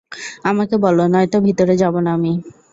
আমাকে বল নয়তো ভিতরে যাব না আমি।